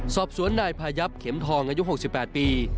สอบสวนนายพายับเข็มทองอายุ๖๘ปี